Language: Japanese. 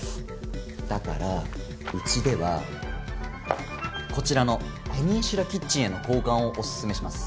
だからうちではこちらのペニンシュラキッチンへの交換をおすすめします。